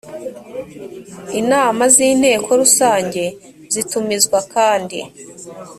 inama z inteko rusange zitumizwa kandi